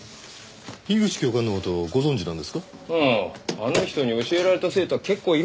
あの人に教えられた生徒は結構いるからね。